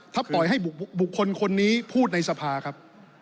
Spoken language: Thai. ถ้าปล่อยให้บุคคลคนนี้พูดในสภาครับ